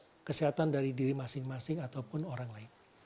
menjaga kesehatan dari diri masing masing ataupun orang lain